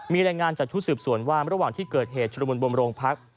มีรายงานจากชุดสืบสวนว่าระหว่างที่เกิดเหตุชุดละมุนบมโรงพัก